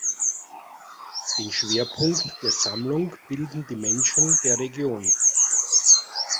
Den Schwerpunkt der Sammlung bilden die Menschen der Region.